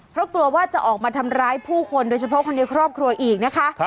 เพราะกลัวว่าจะออกมาทำร้ายผู้คนโดยเฉพาะคนในครอบครัวอีกนะคะ